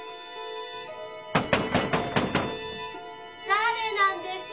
・誰なんです？